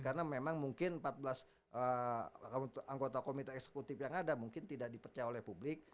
karena memang mungkin empat belas anggota komite eksekutif yang ada mungkin tidak dipercaya oleh publik